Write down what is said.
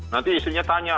nanti istrinya tanya